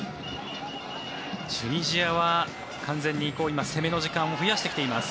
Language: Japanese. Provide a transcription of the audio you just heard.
チュニジアは完全に攻めの時間を増やしてきています。